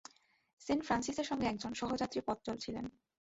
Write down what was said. Sent ফ্রান্সিসের সঙ্গে একজন সহযাত্রী পথ চলছিলেন।